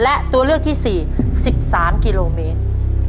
และตัวเลือกที่๔๑๓กิโลเมตร